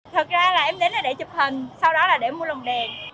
thật ra là em đến đây để chụp hình sau đó là để mua lồng đèn